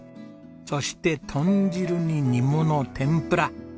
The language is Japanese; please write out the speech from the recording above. そして豚汁に煮物天ぷら